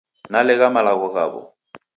Nalegha malagho ghaw'o